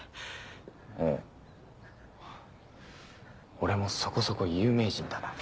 俺もそこそこ有名人だな。